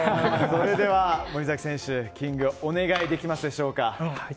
それでは森崎選手、キングお願いできますでしょうか。